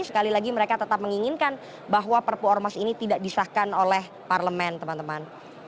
sekali lagi mereka tetap menginginkan bahwa perpu ormas ini tidak disahkan oleh parlemen teman teman